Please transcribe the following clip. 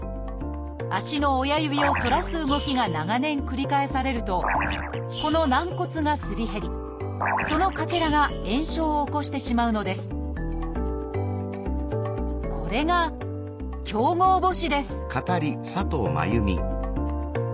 足の親指を反らす動きが長年繰り返されるとこの軟骨がすり減りそのかけらが炎症を起こしてしまうのですこれが「強剛母趾」です